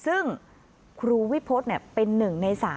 ซึ่งครูวิพฤทธิ์เนี่ยเป็นหนึ่งใน๓